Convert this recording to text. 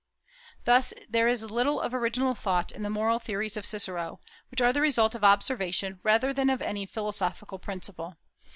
Thus there is little of original thought in the moral theories of Cicero, which are the result of observation rather than of any philosophical principle.